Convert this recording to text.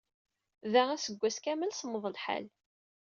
Da, aseggas kamel semmeḍ lḥal.